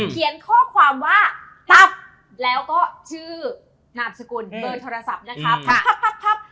เขียนข้อความว่าตับแล้วก็ชื่อนามสกุลเบอร์โทรศัพท์นะคะพับ